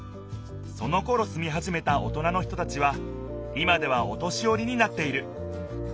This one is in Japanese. そのころすみはじめたおとなの人たちは今ではお年よりになっている。